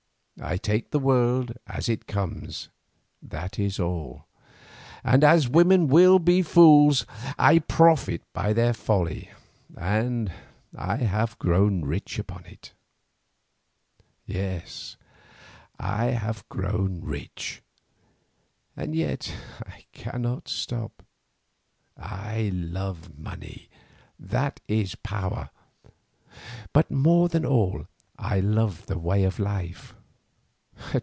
I take the world as it comes, that is all, and, as women will be fools, I profit by their folly and have grown rich upon it. About sixty three pounds sterling. "Yes, I have grown rich, and yet I cannot stop. I love the money that is power; but more than all, I love the way of life.